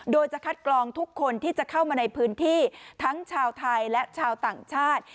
โดยจะคัดกรองทุกคนที่จะเข้ามาในพื้นที่ทั้งชาวไทยและชาวต่างชาติ